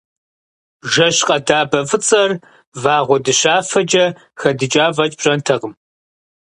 Жэщ къэдабэ фӏыцӏэр вагъуэ дыщафэкӏэ хэдыкӏа фэкӏ пщӏэнтэкъым.